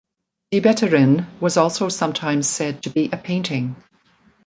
"Die Beterin" was also sometimes said to be a painting.